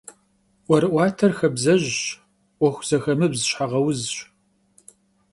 'Uerı'uater xabzejş. 'Uexu zexemıbz şheğeuzş.